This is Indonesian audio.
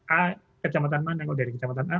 a kecamatan mana kalau dari kecamatan a